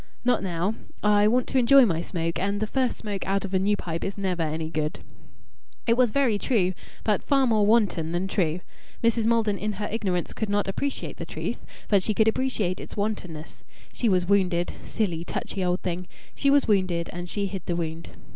"Not now. I want to enjoy my smoke, and the first smoke out of a new pipe is never any good." It was very true, but far more wanton than true. Mrs. Maldon in her ignorance could not appreciate the truth, but she could appreciate its wantonness. She was wounded silly, touchy old thing! She was wounded, and she hid the wound.